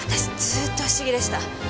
ずーっと不思議でした。